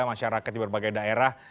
masyarakat di berbagai daerah